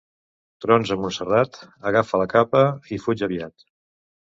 Trons a Montserrat, agafa la capa i fuig aviat.